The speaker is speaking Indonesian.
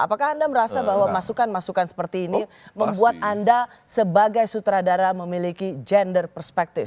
apakah anda merasa bahwa masukan masukan seperti ini membuat anda sebagai sutradara memiliki gender perspektif